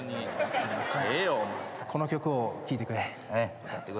すいません。